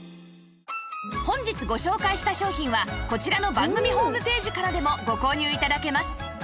本日ご紹介した商品はこちらの番組ホームページからでもご購入頂けます